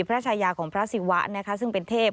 ชายาของพระศิวะนะคะซึ่งเป็นเทพ